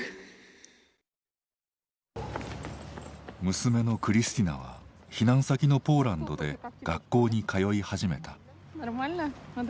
・娘のクリスティナは避難先のポーランドで学校に通い始めた。